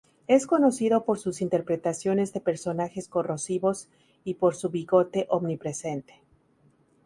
Es conocido por sus interpretaciones de personajes corrosivos y por su bigote omnipresente.